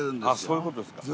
そういう事ですか。